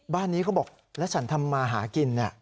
บ้านนี้เขาบอกแล้วฉันทำมาหากิน